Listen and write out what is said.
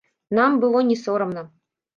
Нам было не сорамна.